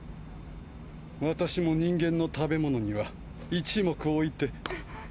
私も人間の食べ物には一目置いて。